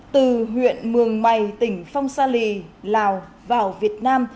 từ huyện mường mày tỉnh phong sa lì lào vào việt nam